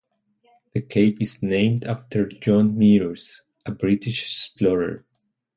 The cape is named after John Meares, a British explorer.